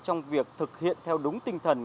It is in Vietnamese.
trong việc thực hiện theo đúng tinh thần